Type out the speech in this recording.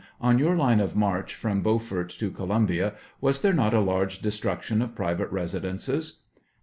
On your line of march from Beaufort to Colum bia, was there not a large destruction of private resi dences